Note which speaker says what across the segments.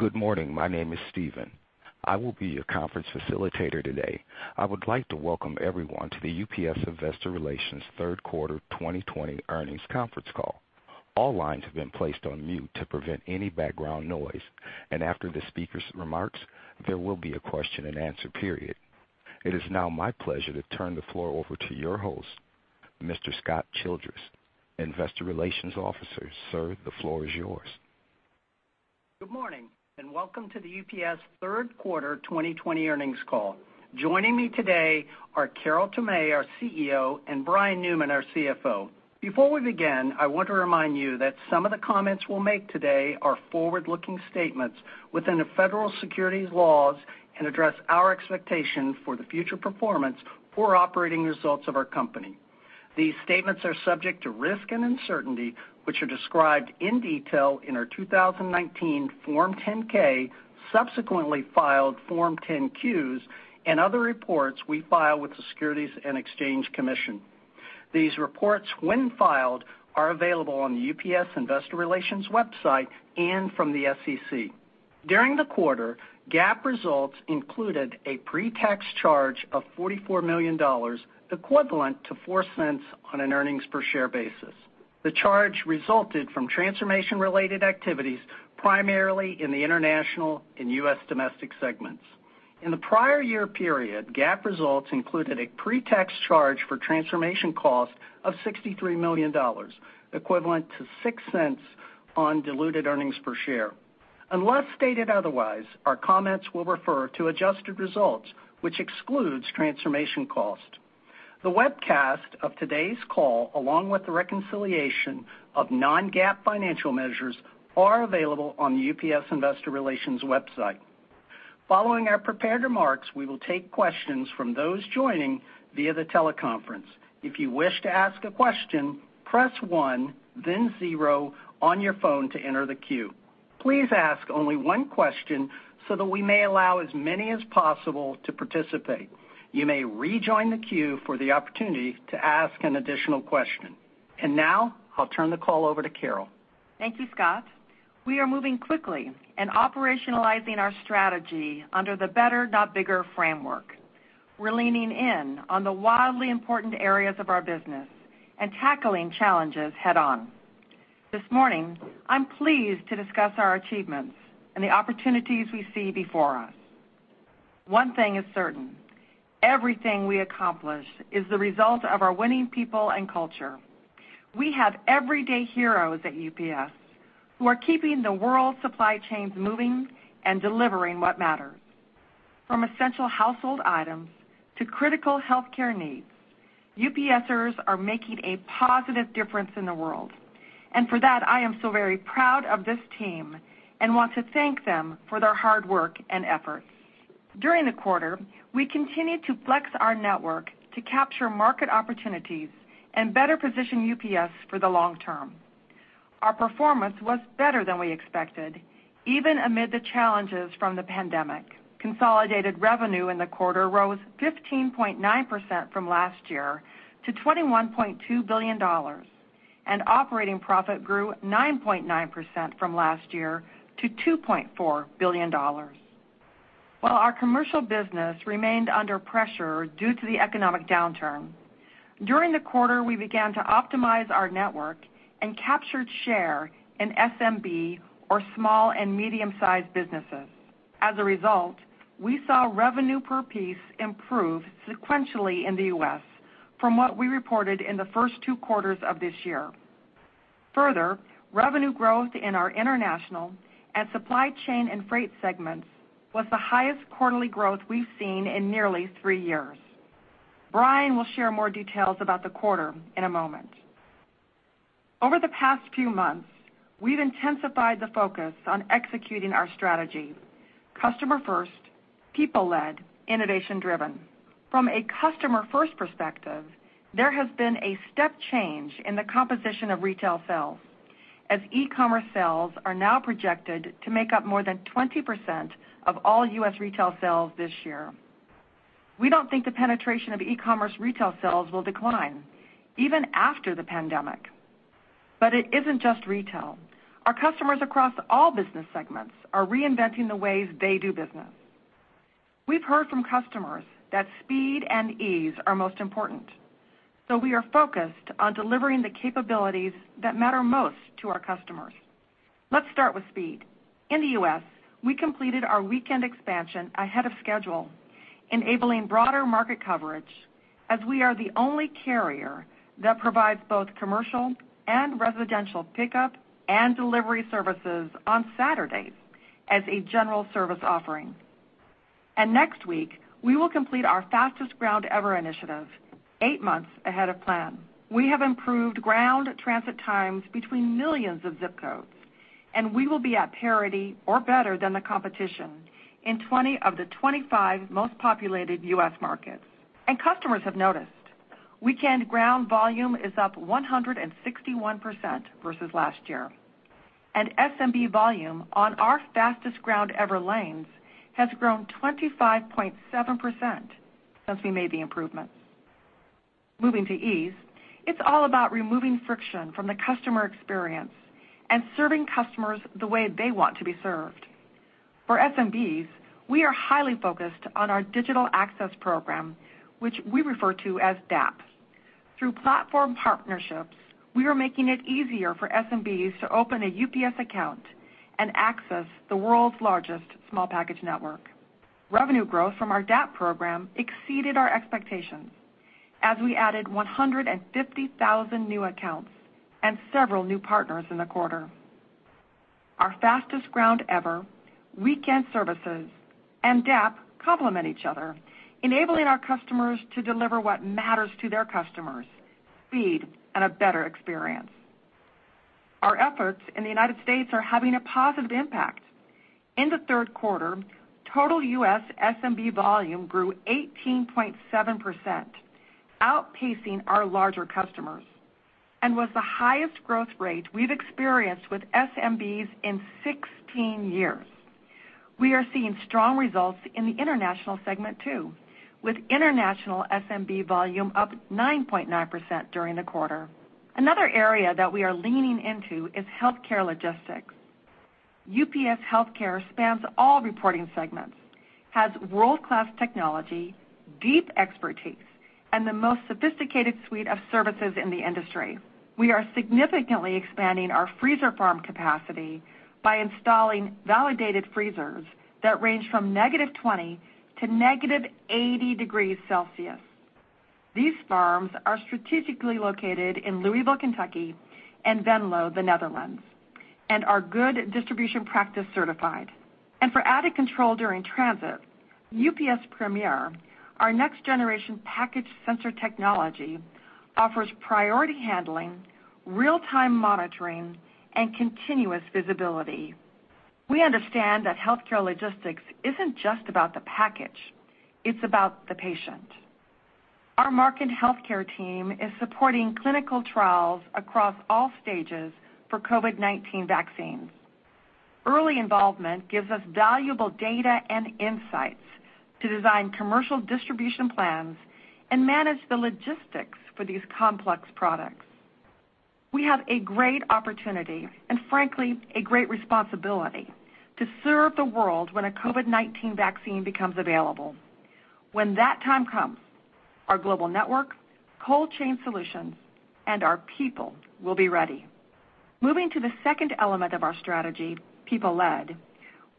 Speaker 1: Good morning. My name is Steven. I will be your conference facilitator today. I would like to welcome everyone to the UPS Investor Relations third quarter 2020 earnings conference call. All lines have been placed on mute to prevent any background noise, and after the speaker's remarks, there will be a question and answer period. It is now my pleasure to turn the floor over to your host, Mr. Scott Childress, Investor Relations Officer. Sir, the floor is yours.
Speaker 2: Good morning, welcome to the UPS third quarter 2020 earnings call. Joining me today are Carol Tomé, our CEO, and Brian Newman, our CFO. Before we begin, I want to remind you that some of the comments we'll make today are forward-looking statements within the Federal securities laws and address our expectations for the future performance for operating results of our company. These statements are subject to risk and uncertainty, which are described in detail in our 2019 Form 10-K, subsequently filed Form 10-Qs, and other reports we file with the Securities and Exchange Commission. These reports, when filed, are available on the UPS investor relations website and from the SEC. During the quarter, GAAP results included a pre-tax charge of $44 million, equivalent to $0.04 on an earnings per share basis. The charge resulted from transformation related activities, primarily in the International and U.S. Domestic segments. In the prior year period, GAAP results included a pre-tax charge for transformation cost of $63 million, equivalent to $0.06 on diluted earnings per share. Unless stated otherwise, our comments will refer to adjusted results, which excludes transformation cost. The webcast of today's call, along with the reconciliation of non-GAAP financial measures, are available on the UPS investor relations website. Following our prepared remarks, we will take questions from those joining via the teleconference. If you wish to ask a question, press one, then zero on your phone to enter the queue. Please ask only one question so that we may allow as many as possible to participate. You may rejoin the queue for the opportunity to ask an additional question. Now I'll turn the call over to Carol.
Speaker 3: Thank you, Scott. We are moving quickly in operationalizing our strategy under the better, not bigger framework. We're leaning in on the wildly important areas of our business and tackling challenges head on. This morning, I'm pleased to discuss our achievements and the opportunities we see before us. One thing is certain, everything we accomplish is the result of our winning people and culture. We have everyday heroes at UPS who are keeping the world's supply chains moving and delivering what matters. From essential household items to critical healthcare needs, UPSers are making a positive difference in the world, and for that, I am so very proud of this team and want to thank them for their hard work and effort. During the quarter, we continued to flex our network to capture market opportunities and better position UPS for the long term. Our performance was better than we expected, even amid the challenges from the pandemic. Consolidated revenue in the quarter rose 15.9% from last year to $21.2 billion, and operating profit grew 9.9% from last year to $2.4 billion. While our commercial business remained under pressure due to the economic downturn, during the quarter, we began to optimize our network and captured share in SMB or small and medium-sized businesses. As a result, we saw revenue per piece improve sequentially in the U.S. from what we reported in the first two quarters of this year. Revenue growth in our international and supply chain and freight segments was the highest quarterly growth we've seen in nearly three years. Brian will share more details about the quarter in a moment. Over the past few months, we've intensified the focus on executing our strategy: Customer First, People Led, Innovation Driven. From a customer first perspective, there has been a step change in the composition of retail sales as e-commerce sales are now projected to make up more than 20% of all U.S. retail sales this year. We don't think the penetration of e-commerce retail sales will decline even after the pandemic. It isn't just retail. Our customers across all business segments are reinventing the ways they do business. We've heard from customers that speed and ease are most important, so we are focused on delivering the capabilities that matter most to our customers. Let's start with speed. In the U.S., we completed our weekend expansion ahead of schedule, enabling broader market coverage as we are the only carrier that provides both commercial and residential pickup and delivery services on Saturdays as a general service offering. Next week, we will complete our Fastest Ground Ever initiative eight months ahead of plan. We have improved ground transit times between millions of zip codes, and we will be at parity or better than the competition in 20 of the 25 most populated U.S. markets. Customers have noticed. Weekend ground volume is up 161% versus last year, and SMB volume on our Fastest Ground Ever lanes has grown 25.7% since we made the improvements. Moving to ease, it's all about removing friction from the customer experience and serving customers the way they want to be served. For SMBs, we are highly focused on our Digital Access Program, which we refer to as DAP. Through platform partnerships, we are making it easier for SMBs to open a UPS account and access the world's largest small package network. Revenue growth from our DAP program exceeded our expectations as we added 150,000 new accounts and several new partners in the quarter. Our Fastest Ground Ever, weekend services, and DAP complement each other, enabling our customers to deliver what matters to their customers, speed, and a better experience. Our efforts in the United States are having a positive impact. In the third quarter, total U.S. SMB volume grew 18.7%, outpacing our larger customers and was the highest growth rate we've experienced with SMBs in 16 years. We are seeing strong results in the international segment too, with international SMB volume up 9.9% during the quarter. Another area that we are leaning into is healthcare logistics. UPS Healthcare spans all reporting segments, has world-class technology, deep expertise, and the most sophisticated suite of services in the industry. We are significantly expanding our freezer farm capacity by installing validated freezers that range from -20 to -80 degrees Celsius. These farms are strategically located in Louisville, Kentucky, and Venlo, the Netherlands, and are Good Distribution Practice certified. For added control during transit, UPS Premier, our next generation package sensor technology, offers priority handling, real-time monitoring, and continuous visibility. We understand that healthcare logistics isn't just about the package, it's about the patient. Our market healthcare team is supporting clinical trials across all stages for COVID-19 vaccines. Early involvement gives us valuable data and insights to design commercial distribution plans and manage the logistics for these complex products. We have a great opportunity and, frankly, a great responsibility to serve the world when a COVID-19 vaccine becomes available. When that time comes, our global network, cold chain solutions, and our people will be ready. Moving to the second element of our strategy, people led,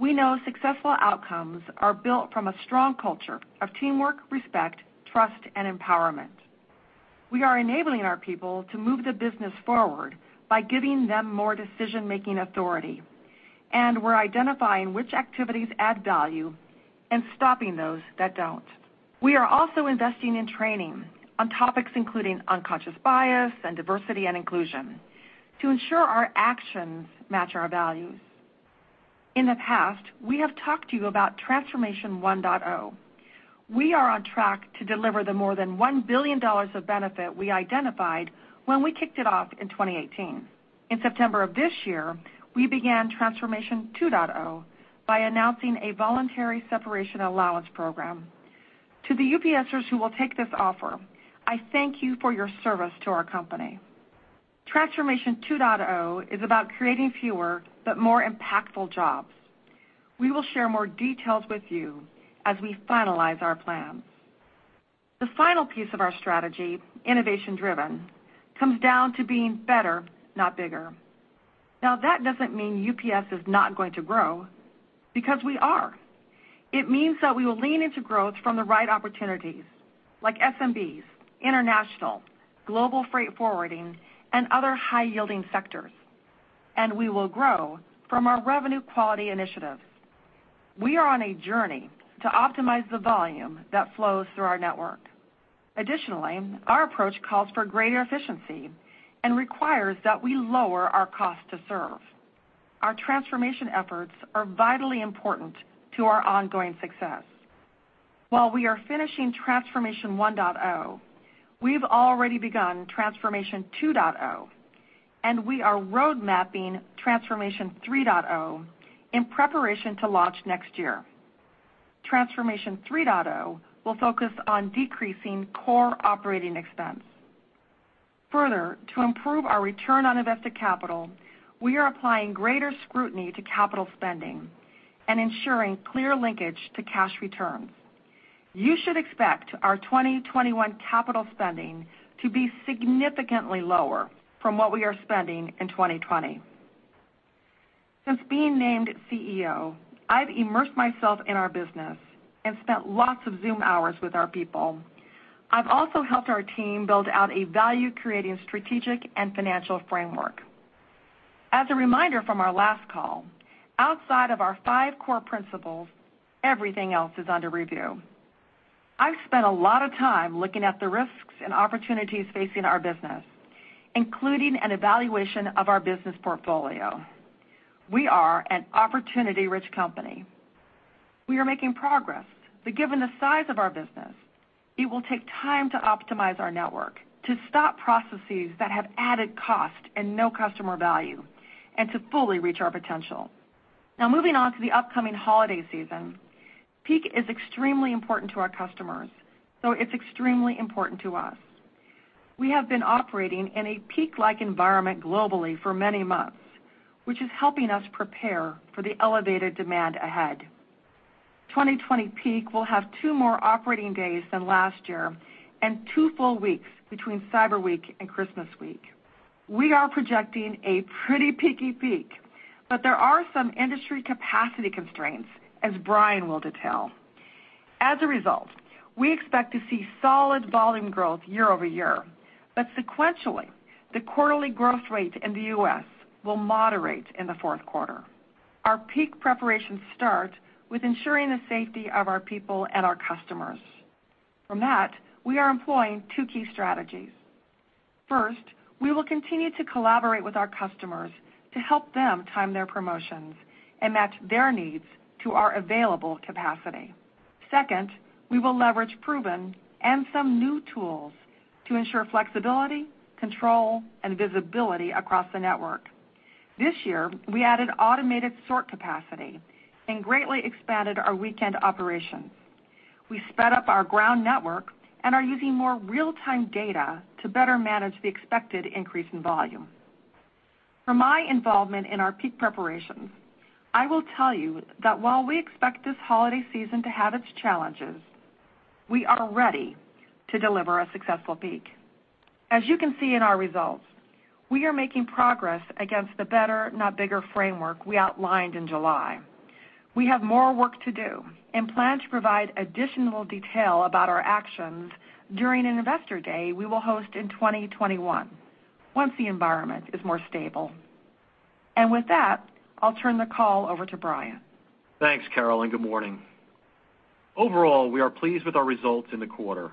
Speaker 3: we know successful outcomes are built from a strong culture of teamwork, respect, trust, and empowerment. We are enabling our people to move the business forward by giving them more decision-making authority, and we're identifying which activities add value and stopping those that don't. We are also investing in training on topics including unconscious bias and diversity and inclusion to ensure our actions match our values. In the past, we have talked to you about Transformation 1.0. We are on track to deliver the more than $1 billion of benefit we identified when we kicked it off in 2018. In September of this year, we began Transformation 2.0 by announcing a Voluntary Separation Allowance Program. To the UPSers who will take this offer, I thank you for your service to our company. Transformation 2.0 is about creating fewer but more impactful jobs. We will share more details with you as we finalize our plans. The final piece of our strategy, innovation driven, comes down to being better, not bigger. Now, that doesn't mean UPS is not going to grow, because we are. It means that we will lean into growth from the right opportunities like SMBs, international, global freight forwarding, and other high-yielding sectors, and we will grow from our revenue quality initiatives. We are on a journey to optimize the volume that flows through our network. Additionally, our approach calls for greater efficiency and requires that we lower our cost to serve. Our transformation efforts are vitally important to our ongoing success. While we are finishing Transformation 1.0, we've already begun Transformation 2.0, and we are road mapping Transformation 3.0 in preparation to launch next year. Transformation 3.0 will focus on decreasing core operating expense. Further, to improve our return on invested capital, we are applying greater scrutiny to capital spending and ensuring clear linkage to cash returns. You should expect our 2021 capital spending to be significantly lower from what we are spending in 2020. Since being named CEO, I've immersed myself in our business and spent lots of Zoom hours with our people. I've also helped our team build out a value creating strategic and financial framework. As a reminder from our last call, outside of our five core principles, everything else is under review. I've spent a lot of time looking at the risks and opportunities facing our business, including an evaluation of our business portfolio. We are an opportunity-rich company. We are making progress, but given the size of our business, it will take time to optimize our network, to stop processes that have added cost and no customer value, and to fully reach our potential. Moving on to the upcoming holiday season. Peak is extremely important to our customers, it's extremely important to us. We have been operating in a peak-like environment globally for many months, which is helping us prepare for the elevated demand ahead. 2020 Peak will have two more operating days than last year and two full weeks between Cyber Week and Christmas Week. We are projecting a pretty peaky peak, there are some industry capacity constraints, as Brian will detail. As a result, we expect to see solid volume growth year-over-year, sequentially, the quarterly growth rate in the U.S. will moderate in the fourth quarter. Our peak preparations start with ensuring the safety of our people and our customers. From that, we are employing two key strategies. First, we will continue to collaborate with our customers to help them time their promotions and match their needs to our available capacity. Second, we will leverage proven and some new tools to ensure flexibility, control, and visibility across the network. This year, we added automated sort capacity and greatly expanded our weekend operations. We sped up our ground network and are using more real-time data to better manage the expected increase in volume. From my involvement in our peak preparations, I will tell you that while we expect this holiday season to have its challenges, we are ready to deliver a successful peak. As you can see in our results, we are making progress against the better, not bigger framework we outlined in July. We have more work to do and plan to provide additional detail about our actions during an investor day we will host in 2021, once the environment is more stable. With that, I'll turn the call over to Brian.
Speaker 4: Thanks, Carol, good morning. Overall, we are pleased with our results in the quarter.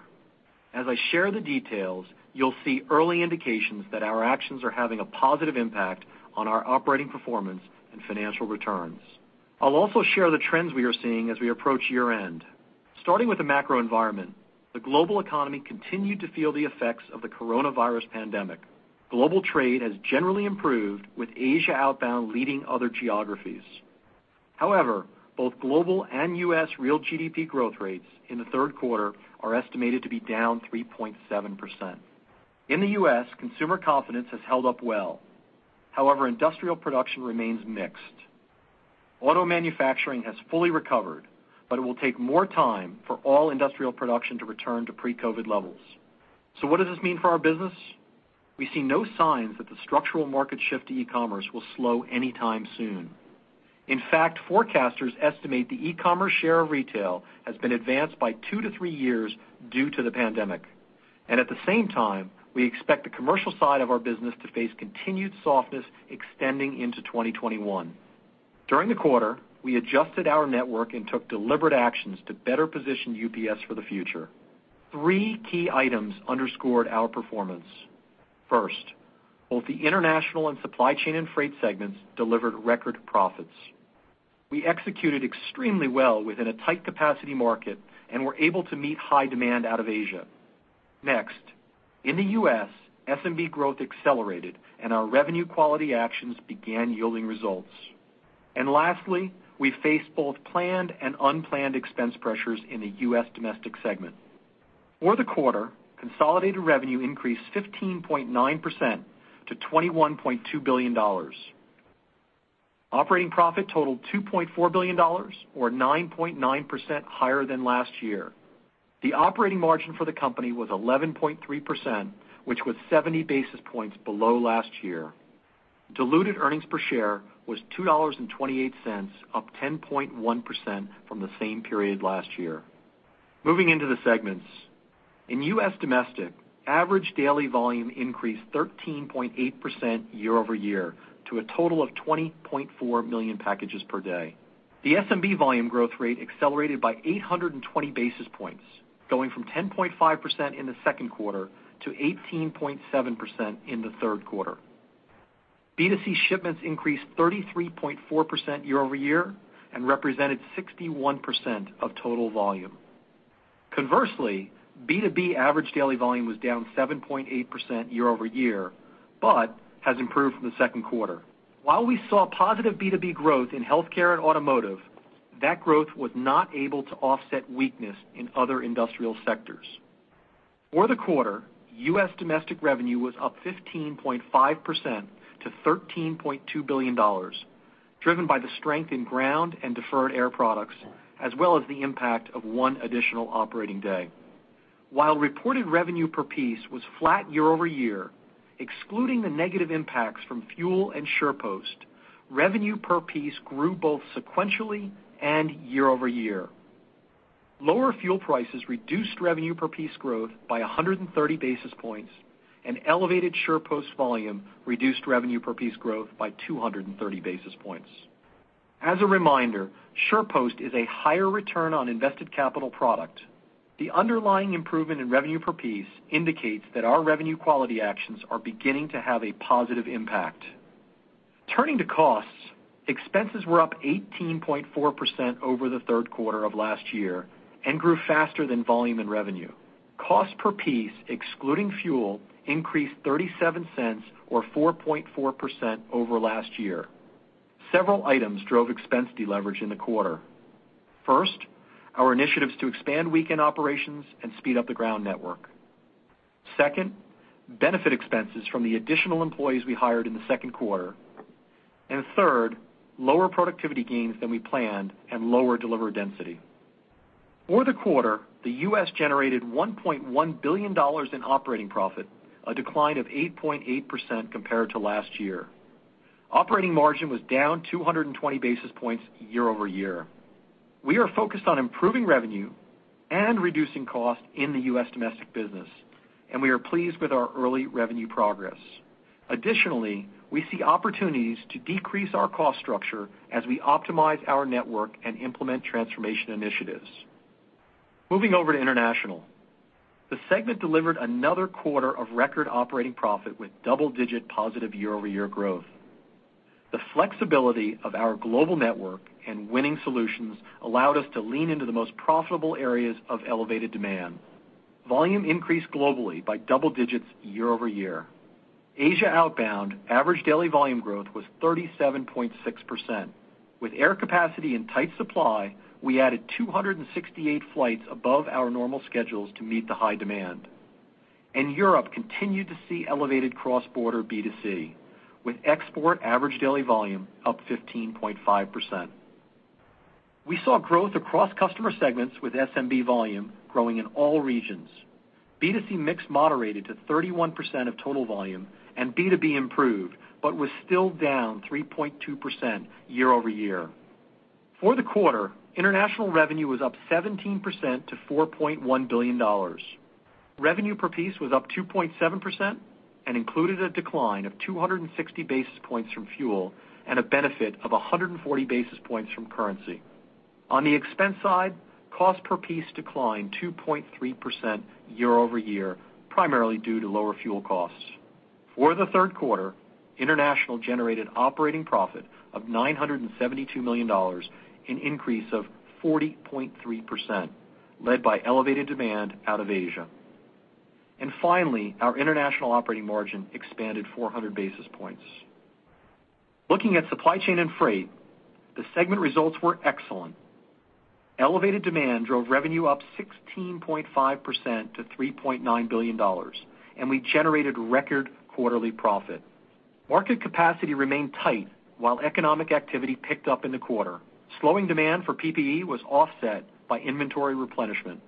Speaker 4: As I share the details, you'll see early indications that our actions are having a positive impact on our operating performance and financial returns. I'll also share the trends we are seeing as we approach year-end. Starting with the macro environment, the global economy continued to feel the effects of the coronavirus pandemic. Global trade has generally improved, with Asia outbound leading other geographies. Both global and U.S. real GDP growth rates in the third quarter are estimated to be down 3.7%. In the U.S., consumer confidence has held up well. Industrial production remains mixed. Auto manufacturing has fully recovered, it will take more time for all industrial production to return to pre-COVID levels. What does this mean for our business? We see no signs that the structural market shift to e-commerce will slow anytime soon. In fact, forecasters estimate the e-commerce share of retail has been advanced by two to three years due to the pandemic. At the same time, we expect the commercial side of our business to face continued softness extending into 2021. During the quarter, we adjusted our network and took deliberate actions to better position UPS for the future. Three key items underscored our performance. First, both the International and Supply Chain and Freight segments delivered record profits. We executed extremely well within a tight capacity market and were able to meet high demand out of Asia. Next, in the U.S., SMB growth accelerated, and our revenue quality actions began yielding results. Lastly, we faced both planned and unplanned expense pressures in the U.S. domestic segment. For the quarter, consolidated revenue increased 15.9% to $21.2 billion. Operating profit totaled $2.4 billion, or 9.9% higher than last year. The operating margin for the company was 11.3%, which was 70 basis points below last year. Diluted earnings per share was $2.28, up 10.1% from the same period last year. Moving into the segments. In U.S. Domestic, average daily volume increased 13.8% year-over-year to a total of 20.4 million packages per day. The SMB volume growth rate accelerated by 820 basis points, going from 10.5% in the second quarter to 18.7% in the third quarter. B2C shipments increased 33.4% year-over-year and represented 61% of total volume. Conversely, B2B average daily volume was down 7.8% year-over-year, but has improved from the second quarter. While we saw positive B2B growth in healthcare and automotive, that growth was not able to offset weakness in other industrial sectors. For the quarter, U.S. domestic revenue was up 15.5% to $13.2 billion, driven by the strength in ground and deferred air products, as well as the impact of one additional operating day. While reported revenue per piece was flat year-over-year, excluding the negative impacts from fuel and SurePost, revenue per piece grew both sequentially and year-over-year. Lower fuel prices reduced revenue per piece growth by 130 basis points and elevated SurePost volume reduced revenue per piece growth by 230 basis points. As a reminder, SurePost is a higher return on invested capital product. The underlying improvement in revenue per piece indicates that our revenue quality actions are beginning to have a positive impact. Turning to costs, expenses were up 18.4% over the third quarter of last year and grew faster than volume and revenue. Cost per piece, excluding fuel, increased $0.37 or 4.4% over last year. Several items drove expense deleverage in the quarter. First, our initiatives to expand weekend operations and speed up the ground network. Second, benefit expenses from the additional employees we hired in the second quarter. Third, lower productivity gains than we planned and lower delivery density. For the quarter, the U.S. generated $1.1 billion in operating profit, a decline of 8.8% compared to last year. Operating margin was down 220 basis points year-over-year. We are focused on improving revenue and reducing cost in the U.S. domestic business, and we are pleased with our early revenue progress. Additionally, we see opportunities to decrease our cost structure as we optimize our network and implement transformation initiatives. Moving over to International. The segment delivered another quarter of record operating profit with double-digit positive year-over-year growth. The flexibility of our global network and winning solutions allowed us to lean into the most profitable areas of elevated demand. Volume increased globally by double digits year-over-year. Asia outbound average daily volume growth was 37.6%. With air capacity in tight supply, we added 268 flights above our normal schedules to meet the high demand. Europe continued to see elevated cross-border B2C, with export average daily volume up 15.5%. We saw growth across customer segments with SMB volume growing in all regions. B2C mix moderated to 31% of total volume and B2B improved but was still down 3.2% year-over-year. For the quarter, International revenue was up 17% to $4.1 billion. Revenue per piece was up 2.7% and included a decline of 260 basis points from fuel and a benefit of 140 basis points from currency. On the expense side, cost per piece declined 2.3% year-over-year, primarily due to lower fuel costs. For the third quarter, international generated operating profit of $972 million, an increase of 40.3%, led by elevated demand out of Asia. Finally, our international operating margin expanded 400 basis points. Looking at supply chain and freight, the segment results were excellent. Elevated demand drove revenue up 16.5% to $3.9 billion, and we generated record quarterly profit. Market capacity remained tight while economic activity picked up in the quarter. Slowing demand for PPE was offset by inventory replenishment.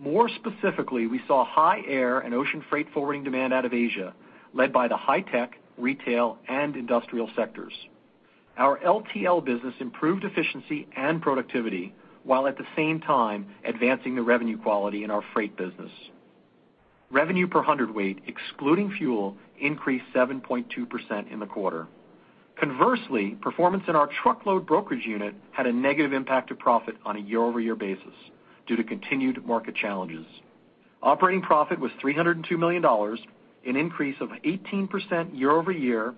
Speaker 4: More specifically, we saw high air and ocean freight forwarding demand out of Asia, led by the high tech, retail and industrial sectors. Our LTL business improved efficiency and productivity while at the same time advancing the revenue quality in our freight business. Revenue per hundredweight, excluding fuel, increased 7.2% in the quarter. Conversely, performance in our truckload brokerage unit had a negative impact to profit on a year-over-year basis due to continued market challenges. Operating profit was $302 million, an increase of 18% year-over-year,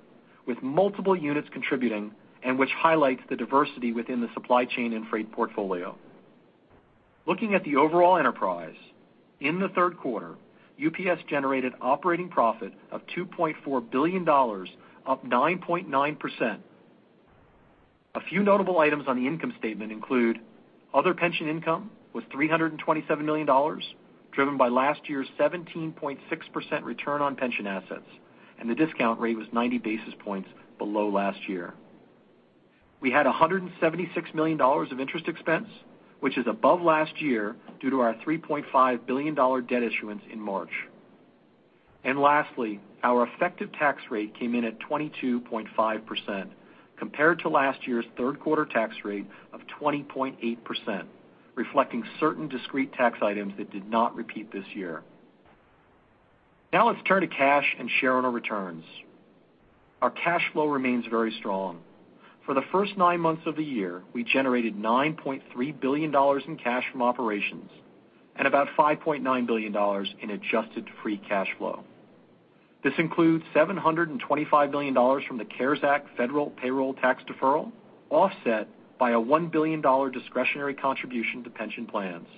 Speaker 4: with multiple units contributing and which highlights the diversity within the supply chain and freight portfolio. Looking at the overall enterprise, in the third quarter, UPS generated operating profit of $2.4 billion, up 9.9%. A few notable items on the income statement include other pension income was $327 million, driven by last year's 17.6% return on pension assets, and the discount rate was 90 basis points below last year. We had $176 million of interest expense, which is above last year due to our $3.5 billion debt issuance in March. Lastly, our effective tax rate came in at 22.5% compared to last year's third quarter tax rate of 20.8%, reflecting certain discrete tax items that did not repeat this year. Now let's turn to cash and share owner returns. Our cash flow remains very strong. For the first nine months of the year, we generated $9.3 billion in cash from operations and about $5.9 billion in adjusted free cash flow. This includes $725 million from the CARES Act federal payroll tax deferral, offset by a $1 billion discretionary contribution to pension plans.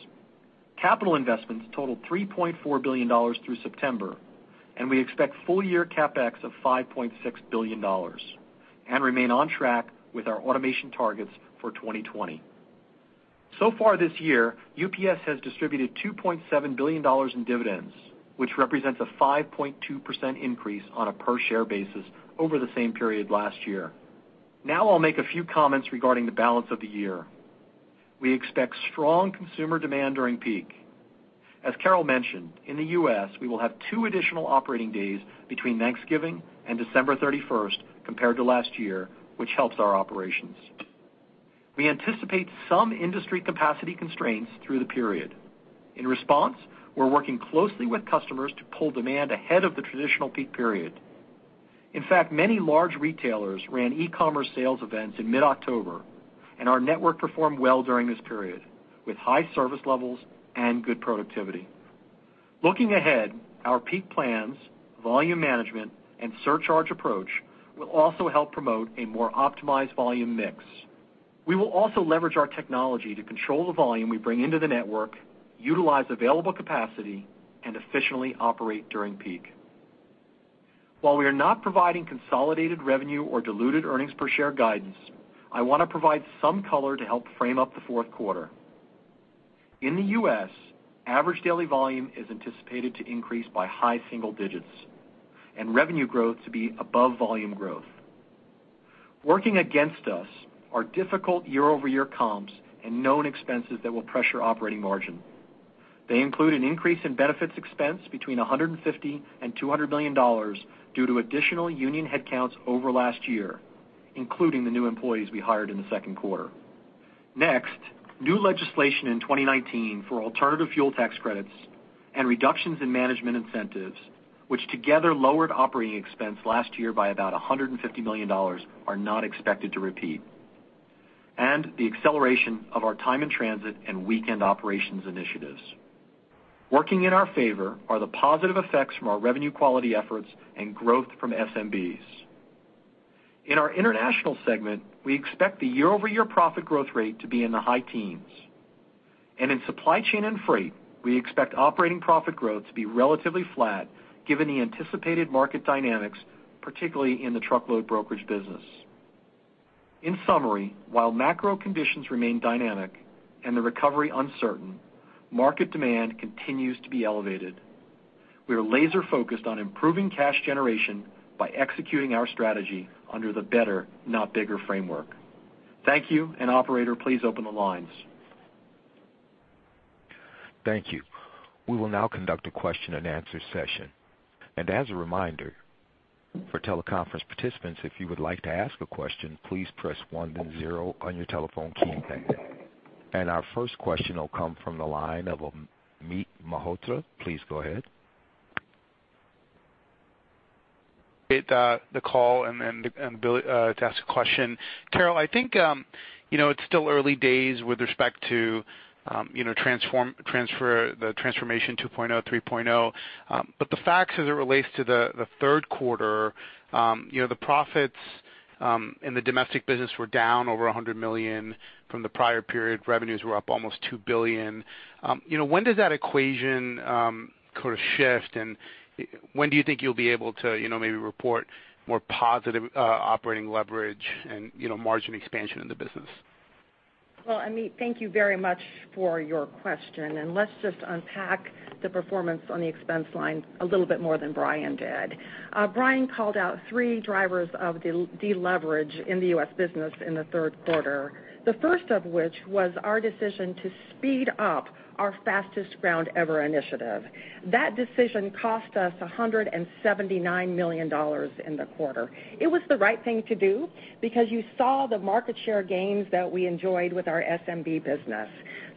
Speaker 4: Capital investments totaled $3.4 billion through September, and we expect full-year CapEx of $5.6 billion and remain on track with our automation targets for 2020. Far this year, UPS has distributed $2.7 billion in dividends, which represents a 5.2% increase on a per-share basis over the same period last year. I'll make a few comments regarding the balance of the year. We expect strong consumer demand during peak. As Carol mentioned, in the U.S., we will have two additional operating days between Thanksgiving and December 31st compared to last year, which helps our operations. We anticipate some industry capacity constraints through the period. In response, we're working closely with customers to pull demand ahead of the traditional peak period. In fact, many large retailers ran e-commerce sales events in mid-October, and our network performed well during this period with high service levels and good productivity. Looking ahead, our peak plans, volume management, and surcharge approach will also help promote a more optimized volume mix. We will also leverage our technology to control the volume we bring into the network, utilize available capacity, and efficiently operate during peak. While we are not providing consolidated revenue or diluted earnings per share guidance, I want to provide some color to help frame up the fourth quarter. In the U.S., average daily volume is anticipated to increase by high single digits, and revenue growth to be above volume growth. Working against us are difficult year-over-year comps and known expenses that will pressure operating margin. They include an increase in benefits expense between $150 million and $200 million due to additional union headcounts over last year, including the new employees we hired in the second quarter. New legislation in 2019 for alternative fuel tax credits and reductions in management incentives, which together lowered operating expense last year by about $150 million, are not expected to repeat. The acceleration of our time in transit and weekend operations initiatives. Working in our favor are the positive effects from our revenue quality efforts and growth from SMBs. In our international segment, we expect the year-over-year profit growth rate to be in the high teens. In supply chain and freight, we expect operating profit growth to be relatively flat given the anticipated market dynamics, particularly in the truckload brokerage business. In summary, while macro conditions remain dynamic and the recovery uncertain, market demand continues to be elevated. We are laser-focused on improving cash generation by executing our strategy under the better, not bigger framework. Thank you, and operator, please open the lines.
Speaker 1: Thank you. We will now conduct a question and answer session. As a reminder, for teleconference participants, if you would like to ask a question, please press one then zero on your telephone keypad. Our first question will come from the line of Amit Mehrotra. Please go ahead.
Speaker 5: The call and to ask a question. Carol, I think it's still early days with respect to the Transformation 2.0, 3.0, but the facts as it relates to the third quarter, the profits in the domestic business were down over $100 million from the prior period. Revenues were up almost $2 billion. When does that equation sort of shift, and when do you think you'll be able to maybe report more positive operating leverage and margin expansion in the business?
Speaker 3: Well, Amit, thank you very much for your question. Let's just unpack the performance on the expense line a little bit more than Brian did. Brian called out three drivers of deleverage in the U.S. business in the third quarter. The first of which was our decision to speed up our Fastest Ground Ever initiative. That decision cost us $179 million in the quarter. It was the right thing to do because you saw the market share gains that we enjoyed with our SMB business.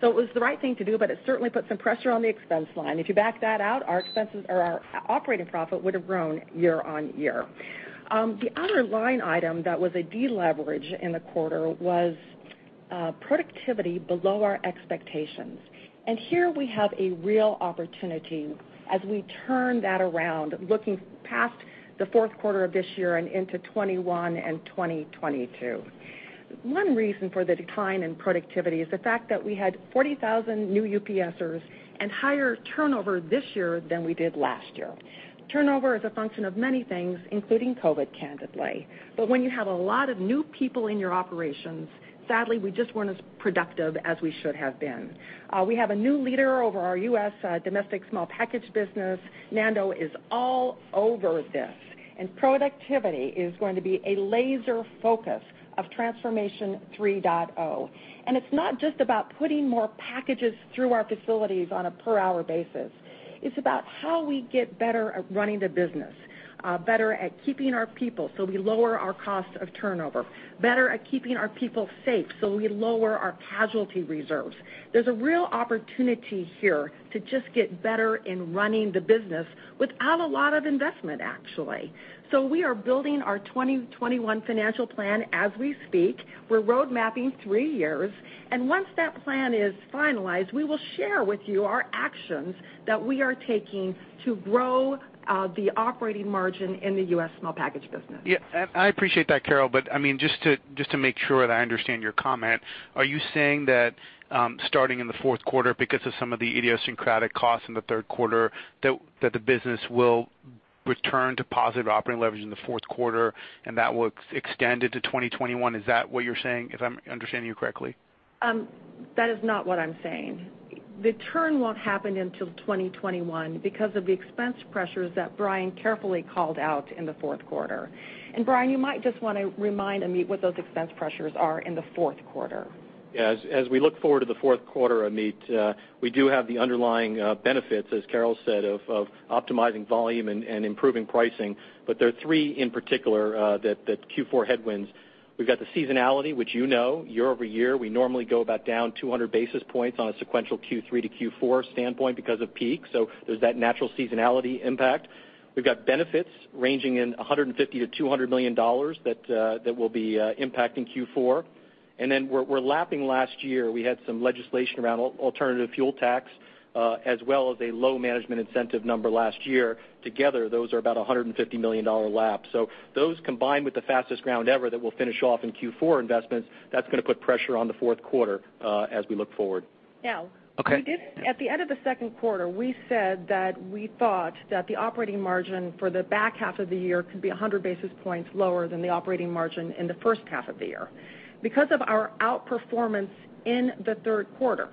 Speaker 3: It was the right thing to do, but it certainly put some pressure on the expense line. If you back that out, our operating profit would have grown year on year. The other line item that was a deleverage in the quarter was productivity below our expectations. Here we have a real opportunity as we turn that around, looking past the fourth quarter of this year and into 2021 and 2022. One reason for the decline in productivity is the fact that we had 40,000 new UPSers and higher turnover this year than we did last year. Turnover is a function of many things, including COVID, candidly. When you have a lot of new people in your operations, sadly, we just weren't as productive as we should have been. We have a new leader over our U.S. domestic small package business. Nando is all over this, and productivity is going to be a laser focus of Transformation 3.0. It's not just about putting more packages through our facilities on a per hour basis. It's about how we get better at running the business, better at keeping our people so we lower our cost of turnover, better at keeping our people safe so we lower our casualty reserves. There's a real opportunity here to just get better in running the business without a lot of investment, actually. We are building our 2021 financial plan as we speak. We're road mapping three years. Once that plan is finalized, we will share with you our actions that we are taking to grow the operating margin in the U.S. small package business.
Speaker 5: Yeah, I appreciate that, Carol, just to make sure that I understand your comment, are you saying that starting in the fourth quarter because of some of the idiosyncratic costs in the third quarter that the business will return to positive operating leverage in the fourth quarter and that will extend into 2021? Is that what you're saying, if I'm understanding you correctly?
Speaker 3: That is not what I'm saying. The turn won't happen until 2021 because of the expense pressures that Brian carefully called out in the fourth quarter. Brian, you might just want to remind Amit what those expense pressures are in the fourth quarter.
Speaker 4: As we look forward to the fourth quarter, Amit, we do have the underlying benefits, as Carol said, of optimizing volume and improving pricing. There are three in particular that Q4 headwinds. We've got the seasonality, which you know, year-over-year, we normally go about down 200 basis points on a sequential Q3 to Q4 standpoint because of peak. There's that natural seasonality impact. We've got benefits ranging in $150 million to $200 million that will be impacting Q4. Then we're lapping last year, we had some legislation around alternative fuel tax, as well as a low management incentive number last year. Together, those are about $150 million lapse. Those combined with the Fastest Ground Ever that we'll finish off in Q4 investments, that's going to put pressure on the fourth quarter as we look forward.
Speaker 3: Now.
Speaker 4: Okay.
Speaker 3: At the end of the second quarter, we said that we thought that the operating margin for the back half of the year could be 100 basis points lower than the operating margin in the first half of the year. Because of our outperformance in the third quarter,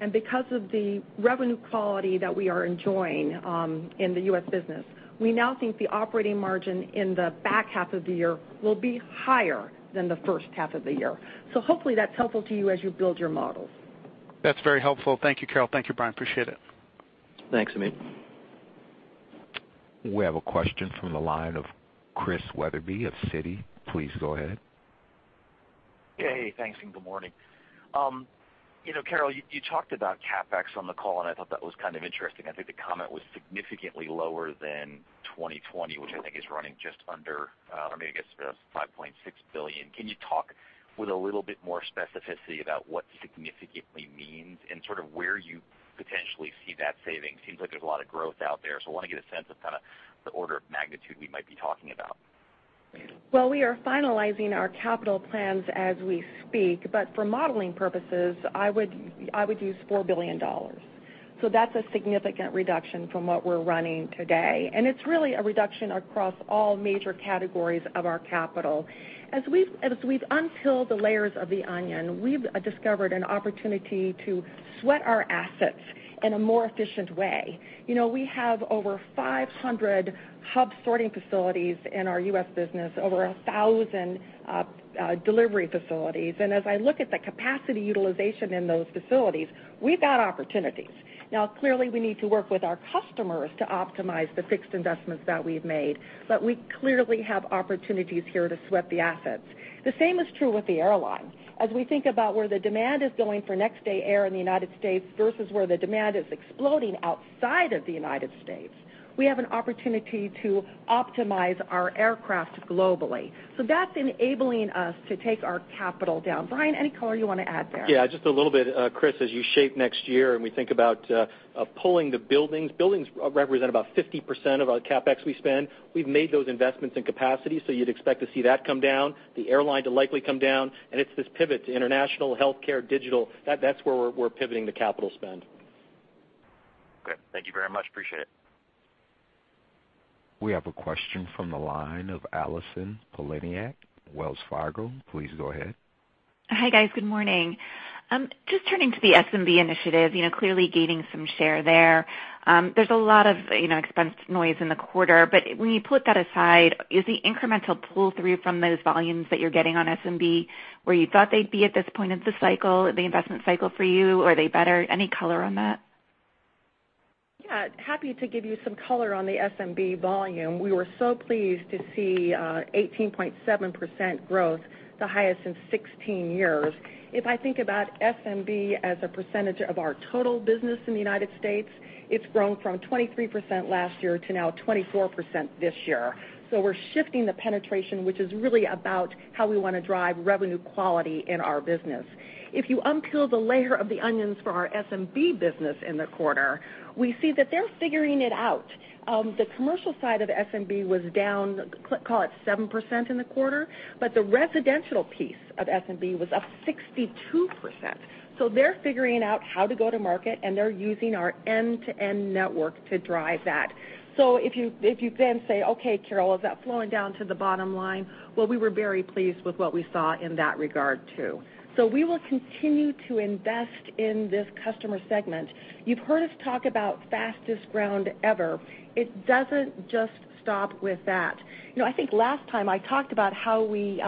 Speaker 3: and because of the revenue quality that we are enjoying in the U.S. business, we now think the operating margin in the back half of the year will be higher than the first half of the year. Hopefully that's helpful to you as you build your models.
Speaker 5: That's very helpful. Thank you, Carol. Thank you, Brian. Appreciate it.
Speaker 4: Thanks, Amit.
Speaker 1: We have a question from the line of Chris Wetherbee of Citi. Please go ahead.
Speaker 6: Hey. Thanks, good morning. Carol, you talked about CapEx on the call, and I thought that was kind of interesting. I think the comment was significantly lower than 2020, which I think is running just under, or maybe it's $5.6 billion. Can you talk with a little bit more specificity about what significantly means and sort of where you potentially see that saving? Seems like there's a lot of growth out there. I want to get a sense of kind of the order of magnitude we might be talking about.
Speaker 3: Well, we are finalizing our capital plans as we speak, for modeling purposes, I would use $4 billion. That's a significant reduction from what we're running today, and it's really a reduction across all major categories of our capital. As we've unpeeled the layers of the onion, we've discovered an opportunity to sweat our assets in a more efficient way. We have over 500 hub sorting facilities in our U.S. business, over 1,000 delivery facilities. As I look at the capacity utilization in those facilities, we've got opportunities. Now, clearly, we need to work with our customers to optimize the fixed investments that we've made, we clearly have opportunities here to sweat the assets. The same is true with the airline. We think about where the demand is going for Next Day Air in the U.S. versus where the demand is exploding outside of the U.S., we have an opportunity to optimize our aircraft globally. That's enabling us to take our capital down. Brian, any color you want to add there?
Speaker 4: Yeah, just a little bit, Chris. As you shape next year and we think about pulling the buildings. Buildings represent about 50% of our CapEx we spend. We've made those investments in capacity, so you'd expect to see that come down, the airline to likely come down, and it's this pivot to international, healthcare, digital. That's where we're pivoting the capital spend.
Speaker 6: Great. Thank you very much. Appreciate it.
Speaker 1: We have a question from the line of Allison Poliniak-Cusic, Wells Fargo. Please go ahead.
Speaker 7: Hi, guys. Good morning. Just turning to the SMB initiative, clearly gaining some share there. There's a lot of expense noise in the quarter. When you put that aside, is the incremental pull-through from those volumes that you're getting on SMB where you thought they'd be at this point of the cycle, the investment cycle for you? Are they better? Any color on that?
Speaker 3: Yeah. Happy to give you some color on the SMB volume. We were so pleased to see 18.7% growth, the highest in 16 years. If I think about SMB as a percentage of our total business in the U.S., it's grown from 23% last year to now 24% this year. We're shifting the penetration, which is really about how we want to drive revenue quality in our business. If you unpeel the layer of the onions for our SMB business in the quarter, we see that they're figuring it out. The commercial side of SMB was down, call it 7% in the quarter, but the residential piece of SMB was up 62%. They're figuring out how to go to market, and they're using our end-to-end network to drive that. If you then say, "Okay, Carol, is that flowing down to the bottom line?" Well, we were very pleased with what we saw in that regard, too. We will continue to invest in this customer segment. You've heard us talk about Fastest Ground Ever. It doesn't just stop with that. I think last time I talked about how we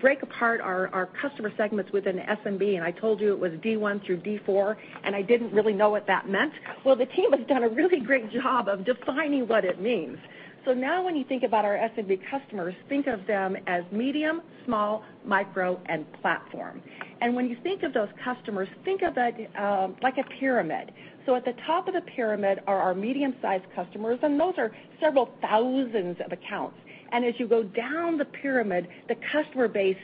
Speaker 3: break apart our customer segments within SMB, and I told you it was D1 through D4, and I didn't really know what that meant. Well, the team has done a really great job of defining what it means. Now when you think about our SMB customers, think of them as medium, small, micro, and platform. When you think of those customers, think of that like a pyramid. At the top of the pyramid are our medium-sized customers, and those are several thousands of accounts. As you go down the pyramid, the customer base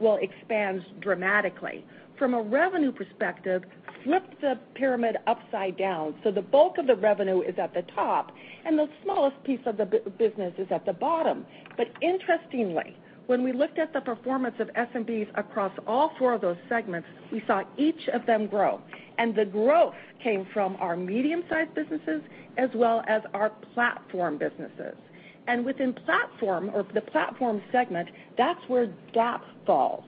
Speaker 3: will expand dramatically. From a revenue perspective, flip the pyramid upside down. The bulk of the revenue is at the top, and the smallest piece of the business is at the bottom. Interestingly, when we looked at the performance of SMBs across all four of those segments, we saw each of them grow. The growth came from our medium-sized businesses as well as our platform businesses. Within platform or the platform segment, that's where DAP falls.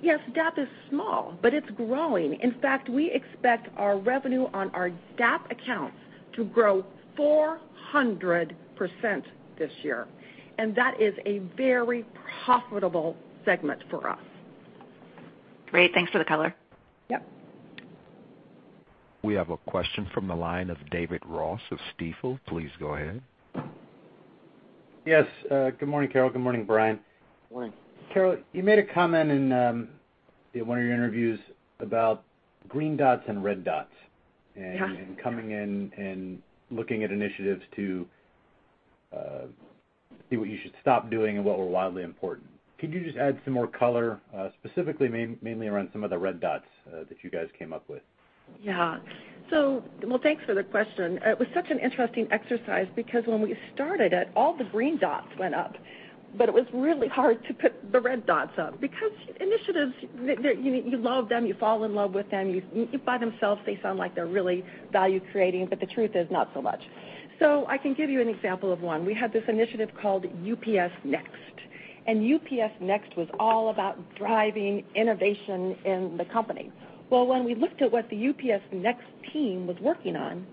Speaker 3: Yes, DAP is small, but it's growing. In fact, we expect our revenue on our DAP accounts to grow 400% this year, and that is a very profitable segment for us.
Speaker 7: Great. Thanks for the color.
Speaker 3: Yep.
Speaker 1: We have a question from the line of David Ross of Stifel. Please go ahead.
Speaker 8: Yes. Good morning, Carol. Good morning, Brian.
Speaker 4: Morning.
Speaker 8: Carol, you made a comment in one of your interviews about green dots and red dots.
Speaker 3: Yeah.
Speaker 8: Coming in and looking at initiatives to see what you should stop doing and what were wildly important. Could you just add some more color, specifically mainly around some of the red dots that you guys came up with?
Speaker 3: Yeah. Well, thanks for the question. It was such an interesting exercise because when we started it, all the green dots went up, but it was really hard to put the red dots up because initiatives, you love them, you fall in love with them. By themselves, they sound like they're really value-creating, but the truth is not so much. I can give you an example of one. We had this initiative called UPS Next, and UPS Next was all about driving innovation in the company. Well, when we looked at what the UPS Next team was working on,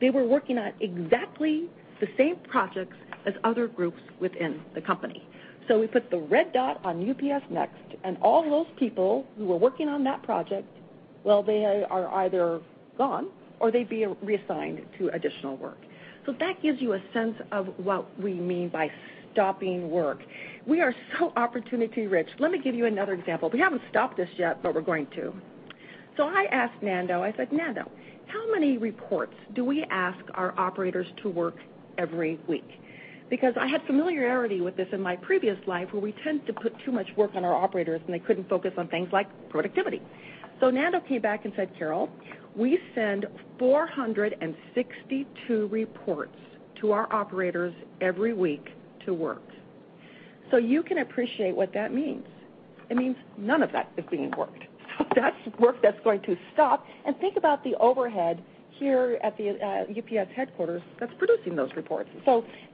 Speaker 3: they were working on exactly the same projects as other groups within the company. We put the red dot on UPS Next, and all those people who were working on that project, well, they are either gone or they'd be reassigned to additional work. That gives you a sense of what we mean by stopping work. We are so opportunity-rich. Let me give you another example. We haven't stopped this yet, but we're going to. I asked Nando, I said, "Nando, how many reports do we ask our operators to work every week?" Because I had familiarity with this in my previous life, where we tended to put too much work on our operators, and they couldn't focus on things like productivity. Nando came back and said, "Carol, we send 462 reports to our operators every week to work." You can appreciate what that means. It means none of that is being worked. That's work that's going to stop. Think about the overhead here at the UPS headquarters that's producing those reports.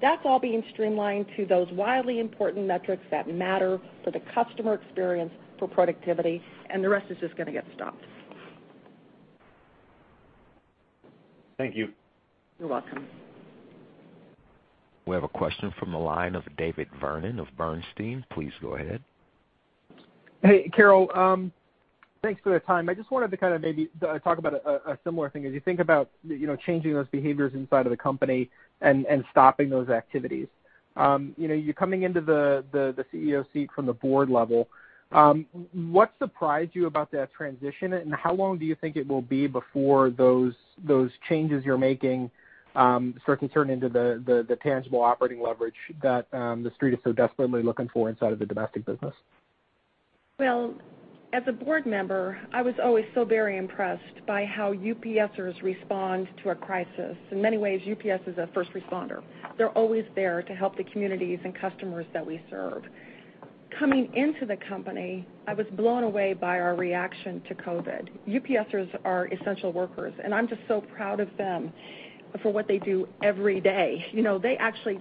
Speaker 3: That's all being streamlined to those wildly important metrics that matter for the customer experience, for productivity, and the rest is just going to get stopped.
Speaker 8: Thank you.
Speaker 3: You're welcome.
Speaker 1: We have a question from the line of David Vernon of Bernstein. Please go ahead.
Speaker 9: Hey, Carol. Thanks for the time. I just wanted to kind of maybe talk about a similar thing. As you think about changing those behaviors inside of the company and stopping those activities, you're coming into the CEO seat from the board level. What surprised you about that transition, and how long do you think it will be before those changes you're making start to turn into the tangible operating leverage that the Street is so desperately looking for inside of the domestic business?
Speaker 3: Well, as a board member, I was always so very impressed by how UPSers respond to a crisis. In many ways, UPS is a first responder. They're always there to help the communities and customers that we serve. Coming into the company, I was blown away by our reaction to COVID. UPSers are essential workers, and I'm just so proud of them for what they do every day.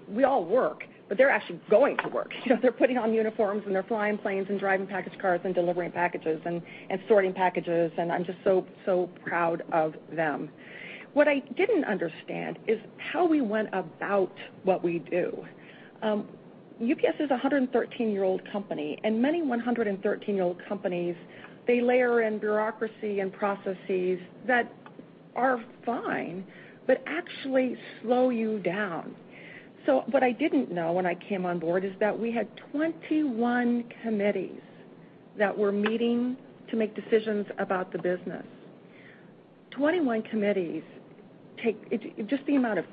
Speaker 3: We all work, but they're actually going to work. They're putting on uniforms, and they're flying planes and driving package cars and delivering packages and sorting packages, and I'm just so proud of them. What I didn't understand is how we went about what we do. UPS is a 113-year-old company, and many 113-year-old companies, they layer in bureaucracy and processes that are fine, but actually slow you down. What I didn't know when I came on board is that we had 21 committees that were meeting to make decisions about the business. 21 committees, just the amount of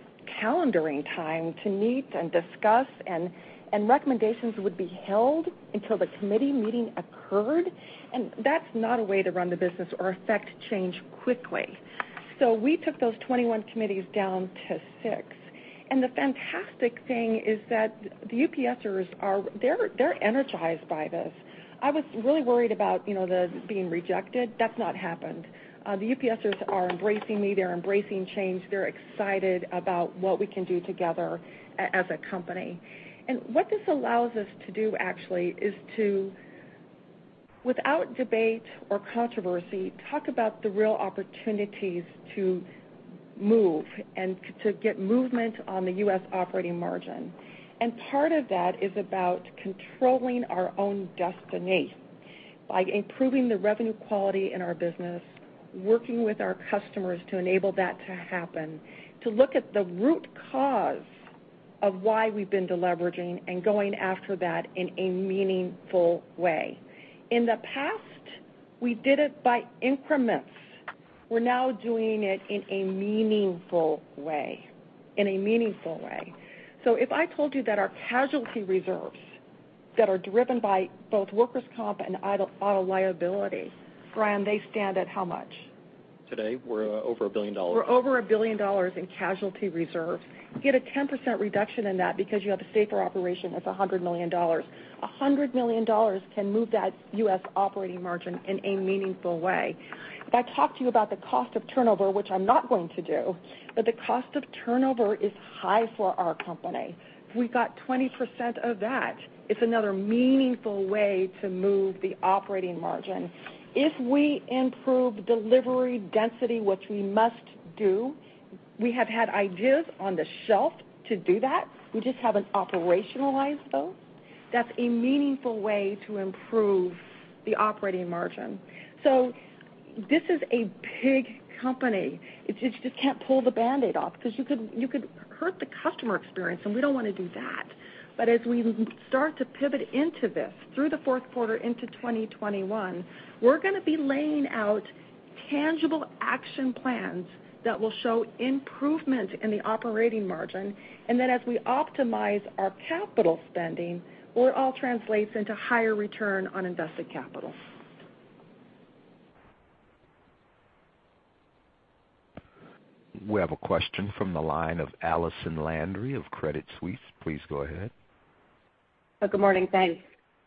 Speaker 3: calendaring time to meet and discuss, and recommendations would be held until the committee meeting occurred. That's not a way to run the business or affect change quickly. We took those 21 committees down to six. The fantastic thing is that the UPSers, they're energized by this. I was really worried about this being rejected. That's not happened. The UPSers are embracing me. They're embracing change. They're excited about what we can do together as a company. What this allows us to do, actually, is to, without debate or controversy, talk about the real opportunities to move and to get movement on the U.S. operating margin. Part of that is about controlling our own destiny by improving the revenue quality in our business, working with our customers to enable that to happen, to look at the root cause of why we've been deleveraging and going after that in a meaningful way. In the past, we did it by increments. We're now doing it in a meaningful way. If I told you that our casualty reserves that are driven by both workers' comp and auto liability, Brian, they stand at how much?
Speaker 4: Today, we're over $1 billion.
Speaker 3: We're over $1 billion in casualty reserves. Get a 10% reduction in that because you have a safer operation, that's $100 million. $100 million can move that U.S. operating margin in a meaningful way. If I talk to you about the cost of turnover, which I'm not going to do, but the cost of turnover is high for our company. If we got 20% of that, it's another meaningful way to move the operating margin. If we improve delivery density, which we must do, we have had ideas on the shelf to do that, we just haven't operationalized those. That's a meaningful way to improve the operating margin. This is a big company. You just can't pull the Band-Aid off because you could hurt the customer experience, and we don't want to do that. As we start to pivot into this through the fourth quarter into 2021, we're going to be laying out tangible action plans that will show improvement in the operating margin. Then as we optimize our capital spending, it all translates into higher return on invested capital.
Speaker 1: We have a question from the line of Allison Landry of Credit Suisse. Please go ahead.
Speaker 10: Good morning. Thanks.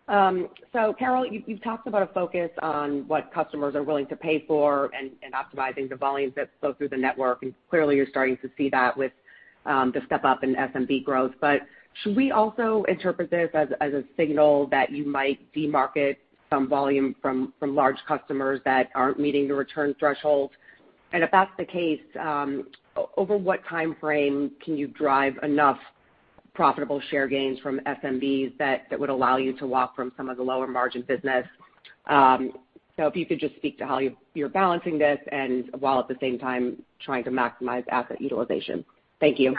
Speaker 10: Carol, you've talked about a focus on what customers are willing to pay for and optimizing the volumes that flow through the network. Clearly you're starting to see that with the step up in SMB growth. Should we also interpret this as a signal that you might de-market some volume from large customers that aren't meeting the return threshold? If that's the case, over what timeframe can you drive enough profitable share gains from SMBs that would allow you to walk from some of the lower margin business? If you could just speak to how you're balancing this and while at the same time trying to maximize asset utilization. Thank you.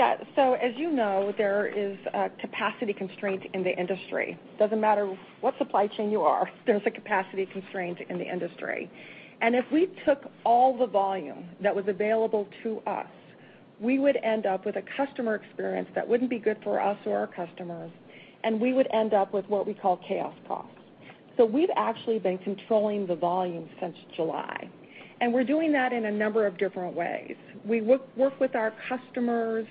Speaker 3: As you know, there is a capacity constraint in the industry. Doesn't matter what supply chain you are, there's a capacity constraint in the industry. If we took all the volume that was available to us, we would end up with a customer experience that wouldn't be good for us or our customers, and we would end up with what we call chaos costs. We've actually been controlling the volume since July, and we're doing that in a number of different ways. We work with our customers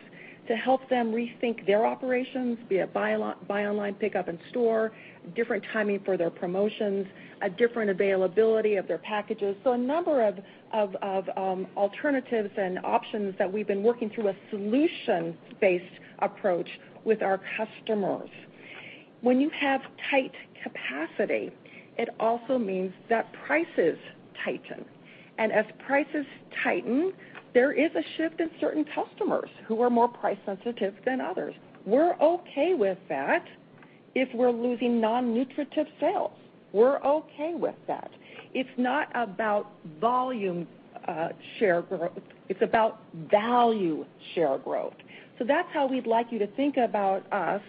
Speaker 3: to help them rethink their operations, be it buy online pick up in store, different timing for their promotions, a different availability of their packages. A number of alternatives and options that we've been working through a solutions-based approach with our customers. When you have tight capacity, it also means that prices tighten. As prices tighten, there is a shift in certain customers who are more price sensitive than others. We're okay with that if we're losing non-nutritive sales. We're okay with that. It's not about volume share growth, it's about value share growth. That's how we'd like you to think about us,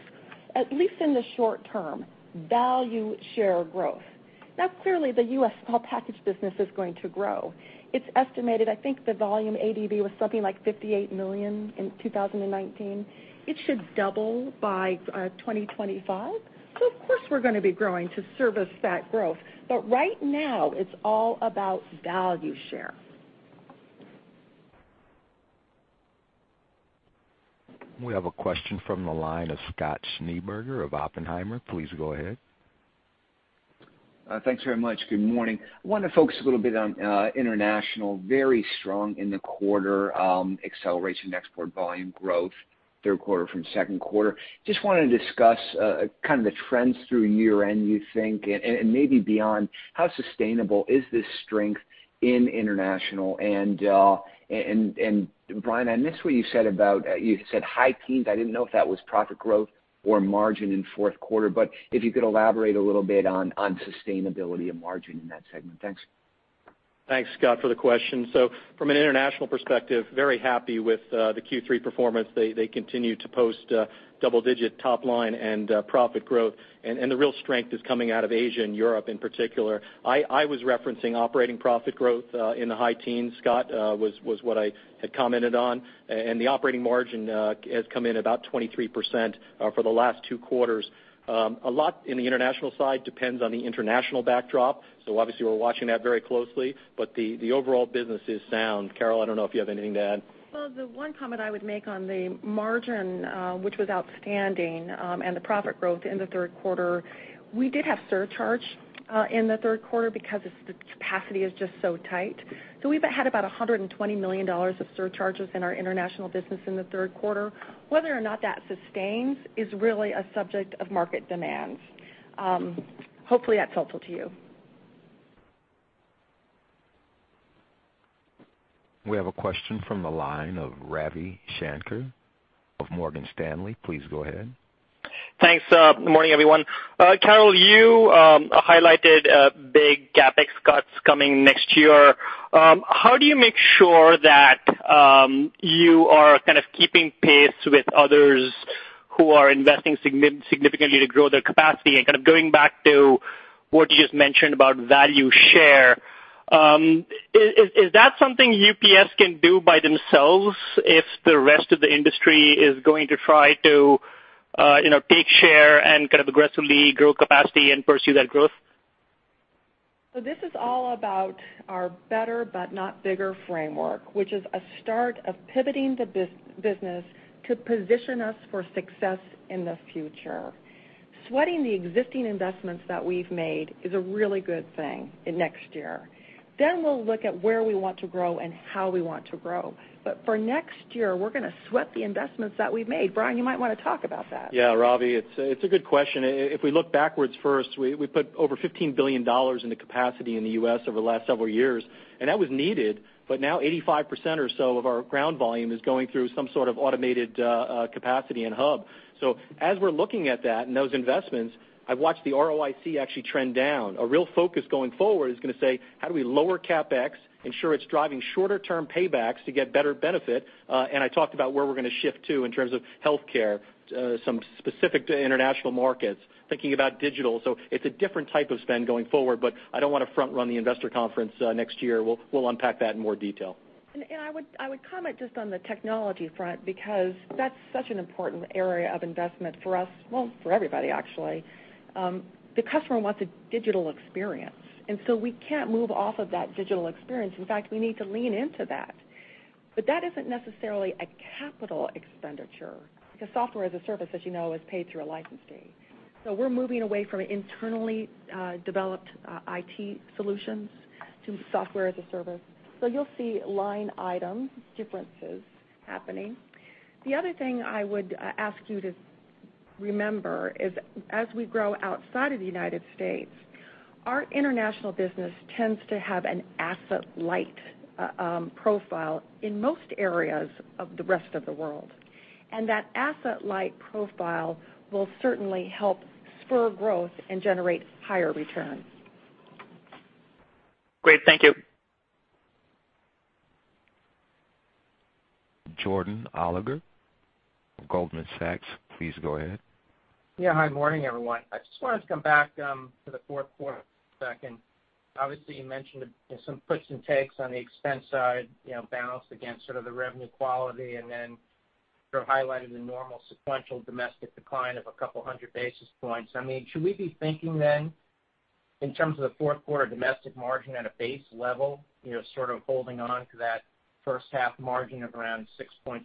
Speaker 3: at least in the short term, value share growth. Now clearly the U.S. small package business is going to grow. It's estimated, I think the volume ADV was something like 58 million in 2019. It should double by 2025. Of course we're going to be growing to service that growth. Right now it's all about value share.
Speaker 1: We have a question from the line of Scott Schneeberger of Oppenheimer. Please go ahead.
Speaker 11: Thanks very much. Good morning. I want to focus a little bit on international. Very strong in the quarter, acceleration export volume growth, third quarter from second quarter. Wanted to discuss kind of the trends through year-end you think, and maybe beyond. How sustainable is this strength in international? Brian, I missed what you said about, you said high teens. I didn't know if that was profit growth or margin in fourth quarter. If you could elaborate a little bit on sustainability and margin in that segment. Thanks.
Speaker 4: Thanks, Scott, for the question. From an international perspective, very happy with the Q3 performance. They continue to post double-digit top line and profit growth. The real strength is coming out of Asia and Europe in particular. I was referencing operating profit growth in the high teens, Scott, was what I had commented on. The operating margin has come in about 23% for the last two quarters. A lot in the international side depends on the international backdrop. Obviously we're watching that very closely, but the overall business is sound. Carol, I don't know if you have anything to add.
Speaker 3: Well, the one comment I would make on the margin, which was outstanding, and the profit growth in the third quarter, we did have surcharge in the third quarter because the capacity is just so tight. We've had about $120 million of surcharges in our international business in the third quarter. Whether or not that sustains is really a subject of market demands. Hopefully that's helpful to you.
Speaker 1: We have a question from the line of Ravi Shanker of Morgan Stanley. Please go ahead.
Speaker 12: Thanks. Good morning, everyone. Carol, you highlighted big CapEx cuts coming next year. How do you make sure that you are kind of keeping pace with others who are investing significantly to grow their capacity? Kind of going back to what you just mentioned about value share, is that something UPS can do by themselves if the rest of the industry is going to try to take share and kind of aggressively grow capacity and pursue that growth?
Speaker 3: This is all about our Better But Not Bigger Framework, which is a start of pivoting the business to position us for success in the future. Sweating the existing investments that we've made is a really good thing in next year. We'll look at where we want to grow and how we want to grow. For next year, we're going to sweat the investments that we've made. Brian, you might want to talk about that.
Speaker 4: Yeah, Ravi, it's a good question. If we look backwards first, we put over $15 billion into capacity in the U.S. over the last several years, and that was needed. Now 85% or so of our ground volume is going through some sort of automated capacity and hub. As we're looking at that and those investments, I've watched the ROIC actually trend down. A real focus going forward is going to say, how do we lower CapEx, ensure it's driving shorter term paybacks to get better benefit? I talked about where we're going to shift to in terms of healthcare, some specific to international markets, thinking about digital. It's a different type of spend going forward, but I don't want to front run the investor conference next year. We'll unpack that in more detail.
Speaker 3: I would comment just on the technology front because that's such an important area of investment for us. Well, for everybody actually. The customer wants a digital experience, we can't move off of that digital experience. In fact, we need to lean into that. That isn't necessarily a capital expenditure because software as a service, as you know, is paid through a license fee. We're moving away from internally developed IT solutions to software as a service. You'll see line item differences happening. The other thing I would ask you to remember is as we grow outside of the United States, our international business tends to have an asset-light profile in most areas of the rest of the world. That asset-light profile will certainly help spur growth and generate higher returns.
Speaker 12: Great. Thank you.
Speaker 1: Jordan Alliger of Goldman Sachs, please go ahead.
Speaker 13: Yeah. Hi, morning, everyone. I just wanted to come back to the fourth quarter for a second. Obviously, you mentioned some puts and takes on the expense side balanced against sort of the revenue quality and then sort of highlighted the normal sequential domestic decline of a couple hundred basis points. Should we be thinking, in terms of the fourth quarter domestic margin at a base level, sort of holding on to that first half margin of around 6.6%,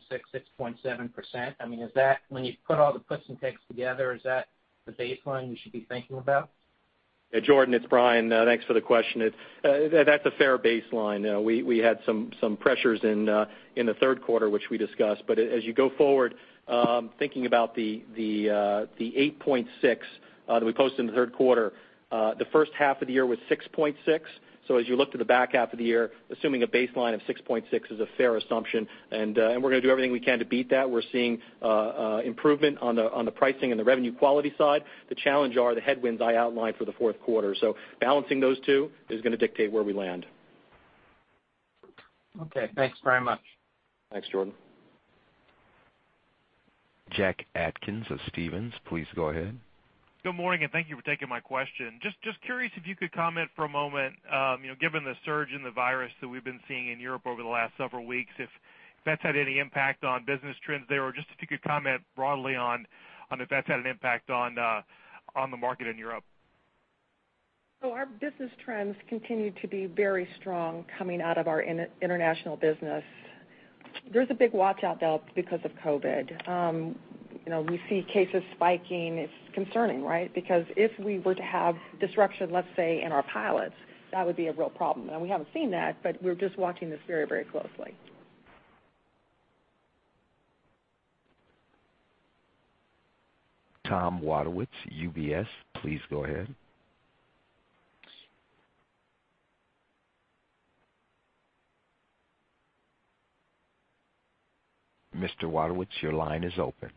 Speaker 13: 6.7%? When you put all the puts and takes together, is that the baseline you should be thinking about?
Speaker 4: Yeah, Jordan, it's Brian. Thanks for the question. That's a fair baseline. We had some pressures in the third quarter, which we discussed. As you go forward, thinking about the 8.6 that we posted in the third quarter, the first half of the year was 6.6. As you look to the back half of the year, assuming a baseline of 6.6 is a fair assumption, and we're going to do everything we can to beat that. We're seeing improvement on the pricing and the revenue quality side. The challenge are the headwinds I outlined for the fourth quarter. Balancing those two is going to dictate where we land.
Speaker 13: Okay, thanks very much.
Speaker 4: Thanks, Jordan.
Speaker 1: Jack Atkins of Stephens, please go ahead.
Speaker 14: Good morning, and thank you for taking my question. Just curious if you could comment for a moment, given the surge in the virus that we've been seeing in Europe over the last several weeks, if that's had any impact on business trends there, or just if you could comment broadly on if that's had an impact on the market in Europe?
Speaker 3: Our business trends continue to be very strong coming out of our international business. There's a big watch-out, though, because of COVID. We see cases spiking. It's concerning, right? Because if we were to have disruption, let's say, in our pilots, that would be a real problem. Now, we haven't seen that, but we're just watching this very, very closely.
Speaker 1: Tom Wadewitz, UBS, please go ahead. Mr. Wadewitz, your line is open.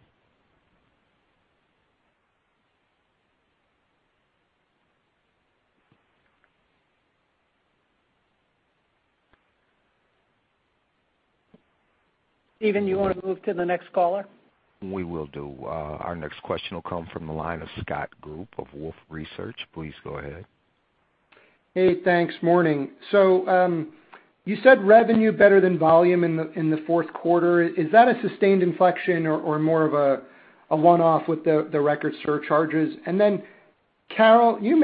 Speaker 3: Steven, you want to move to the next caller?
Speaker 1: We will do. Our next question will come from the line of Scott Group of Wolfe Research. Please go ahead.
Speaker 15: Hey, thanks. Morning. You said revenue better than volume in the fourth quarter. Is that a sustained inflection or more of a one-off with the record surcharges? Then, Carol, you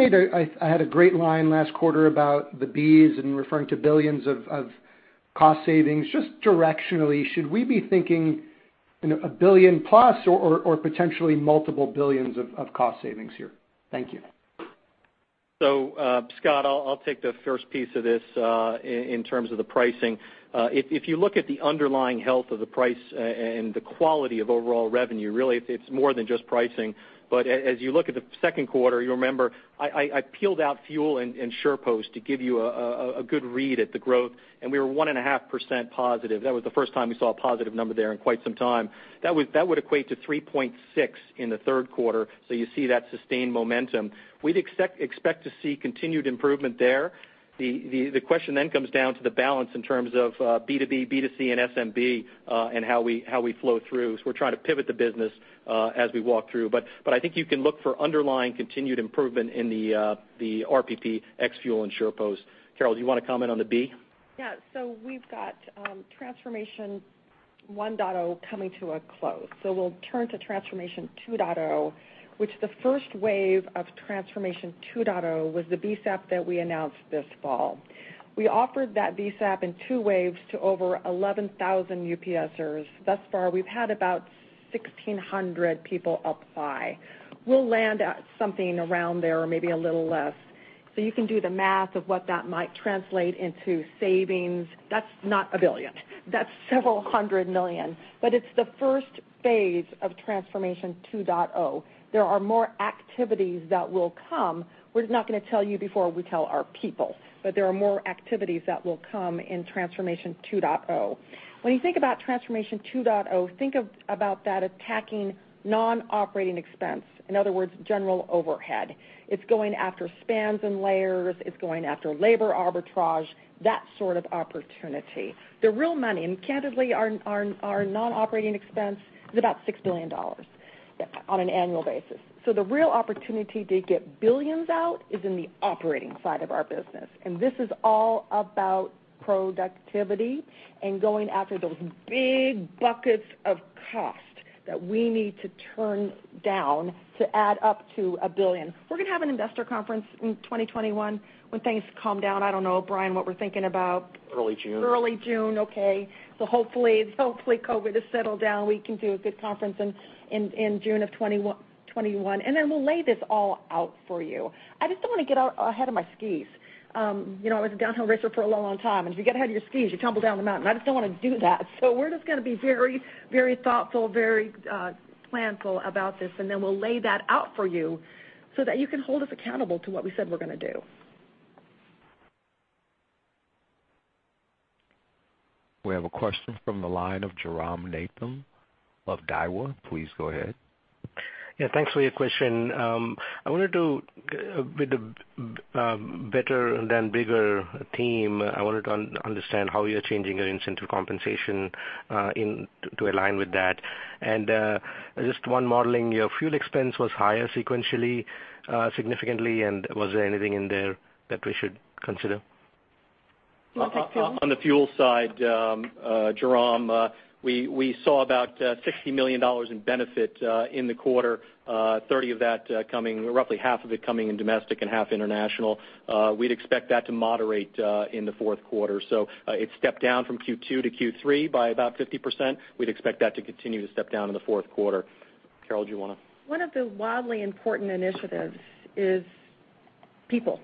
Speaker 15: had a great line last quarter about the Bs and referring to billions of cost savings. Just directionally, should we be thinking a billion plus or potentially multiple billions of cost savings here? Thank you.
Speaker 4: Scott, I'll take the first piece of this in terms of the pricing. If you look at the underlying health of the price and the quality of overall revenue, really, it's more than just pricing. As you look at the second quarter, you'll remember I peeled out fuel and SurePost to give you a good read at the growth, and we were 1.5% positive. That was the first time we saw a positive number there in quite some time. That would equate to 3.6% in the third quarter. You see that sustained momentum. We'd expect to see continued improvement there. The question then comes down to the balance in terms of B2B, B2C, and SMB and how we flow through. We're trying to pivot the business as we walk through. I think you can look for underlying continued improvement in the RPP, ex-fuel, and SurePost. Carol, do you want to comment on the B?
Speaker 3: We've got Transformation 1.0 coming to a close. We'll turn to Transformation 2.0, which the first wave of Transformation 2.0 was the VSEP that we announced this fall. We offered that VSEP in two waves to over 11,000 UPSers. Thus far, we've had about 1,600 people apply. We'll land at something around there or maybe a little less. You can do the math of what that might translate into savings. That's not a billion. That's several hundred million. It's the first phase of Transformation 2.0. There are more activities that will come. We're not going to tell you before we tell our people, there are more activities that will come in Transformation 2.0. When you think about Transformation 2.0, think about that attacking non-operating expense, in other words, general overhead. It's going after spans and layers. It's going after labor arbitrage, that sort of opportunity. The real money, candidly, our non-operating expense is about $6 billion on an annual basis. The real opportunity to get billions out is in the operating side of our business. This is all about productivity and going after those big buckets of cost that we need to turn down to add up to a billion. We're going to have an investor conference in 2021 when things calm down. I don't know, Brian, what we're thinking about.
Speaker 4: Early June.
Speaker 3: Early June, okay. Hopefully, COVID is settled down. We can do a good conference in June of 2021, and then we'll lay this all out for you. I just don't want to get out ahead of my skis. I was a downhill racer for a long time, and if you get ahead of your skis, you tumble down the mountain. I just don't want to do that. We're just going to be very thoughtful, very planful about this, and then we'll lay that out for you so that you can hold us accountable to what we said we're going to do.
Speaker 1: We have a question from the line of Jairam Nathan of Daiwa. Please go ahead.
Speaker 16: Yeah, thanks for your question. I wanted to, with the Better Than Bigger theme, I wanted to understand how you're changing your incentive compensation to align with that. Just one modeling, your fuel expense was higher sequentially, significantly, and was there anything in there that we should consider?
Speaker 4: On the fuel side, Jairam, we saw about $60 million in benefit in the quarter, $30 of that coming, roughly half of it coming in domestic and half international. We'd expect that to moderate in the fourth quarter. It stepped down from Q2 to Q3 by about 50%. We'd expect that to continue to step down in the fourth quarter. Carol, do you want to?
Speaker 3: One of the wildly important initiatives is people.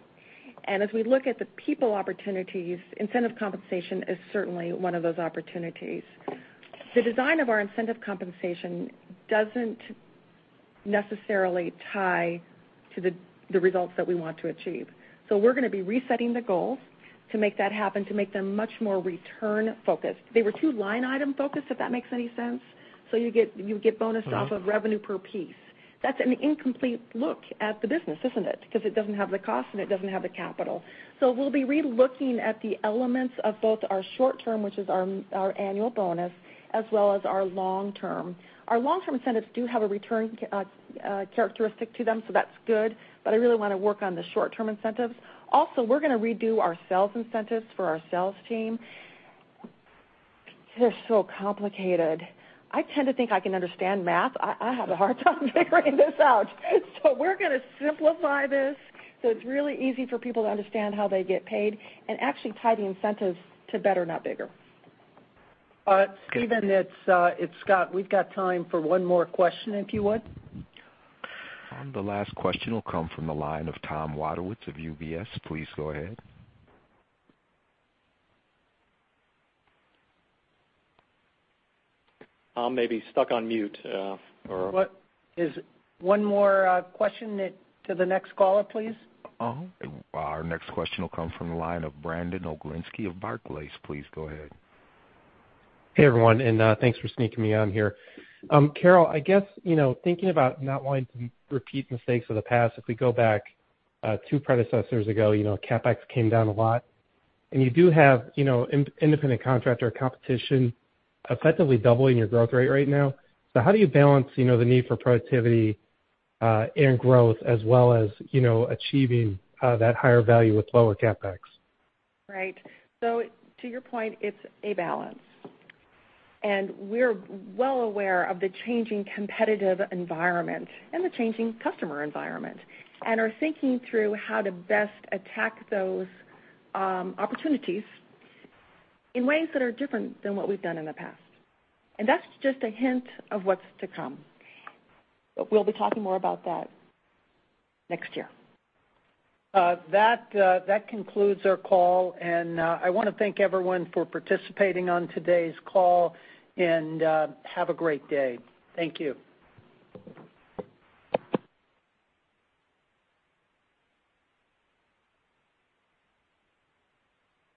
Speaker 3: As we look at the people opportunities, incentive compensation is certainly one of those opportunities. The design of our incentive compensation doesn't necessarily tie to the results that we want to achieve. We're going to be resetting the goals to make that happen, to make them much more return focused. They were too line item focused, if that makes any sense. You'd get bonused off of revenue per piece. That's an incomplete look at the business, isn't it? Because it doesn't have the cost and it doesn't have the capital. We'll be re-looking at the elements of both our short term, which is our annual bonus, as well as our long term. Our long term incentives do have a return characteristic to them, so that's good, but I really want to work on the short term incentives. Also, we're going to redo our sales incentives for our sales team. They're so complicated. I tend to think I can understand math. I have a hard time figuring this out. We're going to simplify this so it's really easy for people to understand how they get paid and actually tie the incentives to better, not bigger.
Speaker 2: Steven, it's Scott. We've got time for one more question, if you would.
Speaker 1: The last question will come from the line of Tom Wadewitz of UBS. Please go ahead.
Speaker 4: Tom may be stuck on mute.
Speaker 2: One more question to the next caller, please.
Speaker 1: Our next question will come from the line of Brandon Oglenski of Barclays. Please go ahead.
Speaker 17: Hey, everyone, and thanks for sneaking me on here. Carol, I guess, thinking about not wanting to repeat mistakes of the past, if we go back two predecessors ago, CapEx came down a lot. You do have independent contractor competition effectively doubling your growth rate right now. How do you balance the need for productivity and growth as well as achieving that higher value with lower CapEx?
Speaker 3: Right. To your point, it's a balance. We're well aware of the changing competitive environment and the changing customer environment and are thinking through how to best attack those opportunities in ways that are different than what we've done in the past. That's just a hint of what's to come. We'll be talking more about that next year.
Speaker 2: That concludes our call. I want to thank everyone for participating on today's call. Have a great day. Thank you.